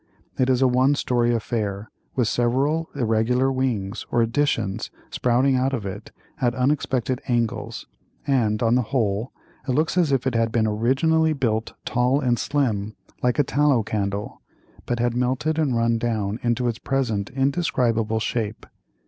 It is a one story affair, with several irregular wings or additions sprouting out of it at unexpected angles, and, on the whole, it looks as if it had been originally built tall and slim like a tallow candle, but had melted and run down into its present indescribable shape.